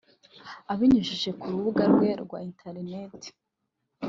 Abinyujije ku rubuga rwe rwa interineti